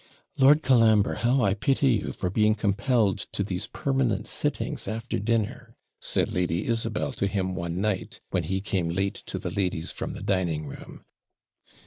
'Lord Colambre! how I pity you, for being compelled to these permanent sittings after dinner!' said Lady Isabel to him one night, when he came late to the ladies from the dining room.